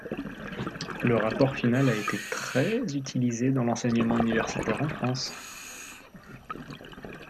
Le rapport final a été très utilisé dans l'enseignement universitaire en France..